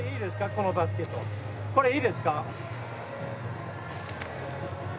これ、いいですか。